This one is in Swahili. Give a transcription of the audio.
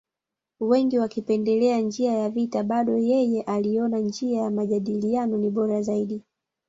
Wengi wakipendelea njia ya vita bado yeye aliona njia ya majadiliano ni bora zaidi